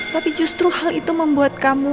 tapi justru hal itu membuat kamu